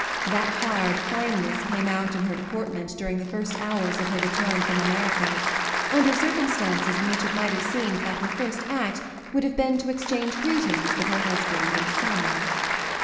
That hard fineness came out in her deportment during the first hours of her return from America, under circumstances in which it might have seemed that her first act would have been to exchange greetings with her husband and son.